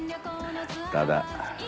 ただ。